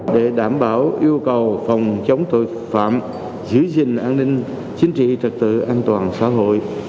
để đảm bảo yêu cầu phòng chống tội phạm giữ gìn an ninh chính trị trật tự an toàn xã hội